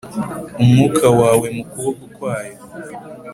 Umwuka wawe mu kuboko kwayo .